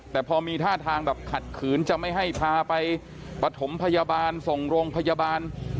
แต่พอมีท่าทางแบบขัดขืนจะไม่ให้พาไปปฐมพยาบาลส่งโรงพยาบาล